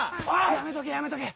やめとけやめとけ。